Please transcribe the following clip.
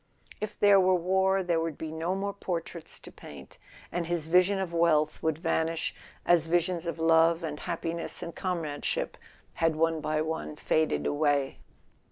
If there were war there would be no more portraits to paint, and his vision of wealth would vanish as visions of love and happiness and comrade¬ ship had one by one faded away.